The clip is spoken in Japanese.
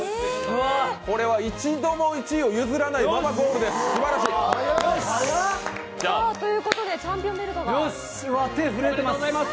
これは１度も１位を譲らないゴールです、すばらしい。ということでチャンピオンベルトが。